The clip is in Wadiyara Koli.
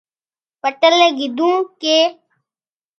پٽيلئي ڪيڌون ڪي